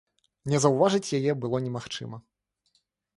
Не заўважыць яе было немагчыма.